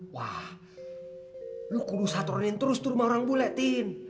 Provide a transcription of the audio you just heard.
wah lo kurus kurusin terus itu rumah orang bule tin